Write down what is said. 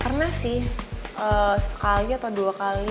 pernah sih sekali atau dua kali